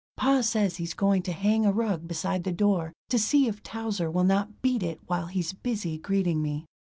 Pa says he's going to hang a rug beside the door to see If Towser will not beat it while he's busy greeting me.